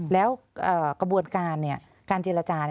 แล้วกระบวนการเนี่ยการเจรจาเนี่ย